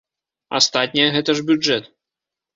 Астатняе гэта ж бюджэт.